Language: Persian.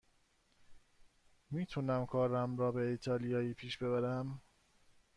می تونم کارم را به ایتالیایی پیش ببرم.